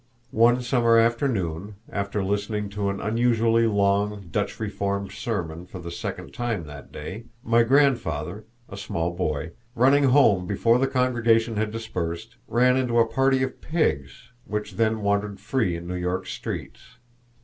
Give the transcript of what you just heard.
One summer afternoon, after listening to an unusually long Dutch Reformed sermon for the second time that day, my grandfather, a small boy, running home before the congregation had dispersed, ran into a party of pigs, which then wandered free in New York's streets.